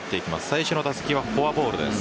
最初の打席はフォアボールです。